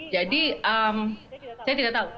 jadi saya tidak tahu